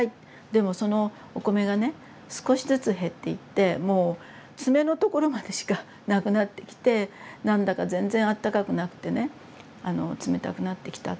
でもそのお米がね少しずつ減っていってもう爪の所までしかなくなってきて何だか全然あったかくなくてね冷たくなってきた。